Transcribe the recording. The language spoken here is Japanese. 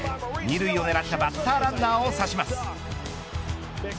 ２塁を狙ったバッターランナーを刺します。